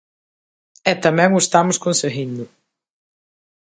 E tamén o estamos conseguindo.